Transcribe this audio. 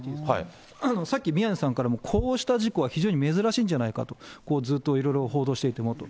さっき宮根さんからもこうした事故は非常に珍しいんじゃないかと、ずっと報道していてもと。